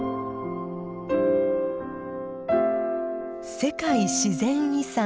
世界自然遺産